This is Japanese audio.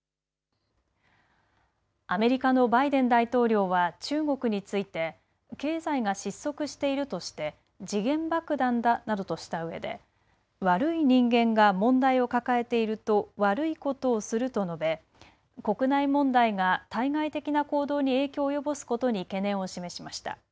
アメリカのバイデン大統領は中国について経済が失速しているとして時限爆弾だなどとしたうえで悪い人間が問題を抱えていると悪いことをすると述べ国内問題が対外的な行動に影響を及ぼすことに懸念を示しました。